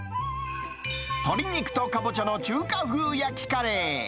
鶏肉とカボチャの中華風焼きカレー。